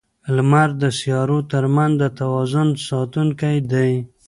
لمر د سیارو ترمنځ د توازن ساتونکی دی.